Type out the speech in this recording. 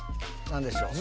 何でしょう？